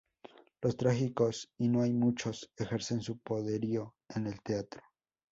Los trágicos -y no hay muchos -ejercen su poderío en el teatro.